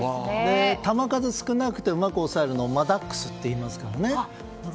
球数が少なくてうまく抑えるのをマダックスといいますからね。